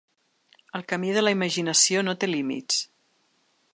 El camí de la imaginació no té límits.